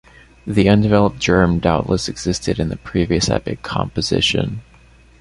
The undeveloped germ doubtless existed in the previous epic composition.